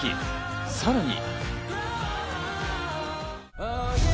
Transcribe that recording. さらに。